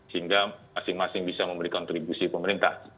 sehingga masing masing bisa memberi kontribusi pemerintah